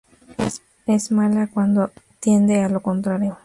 Es mala cuando tiende a lo contrario".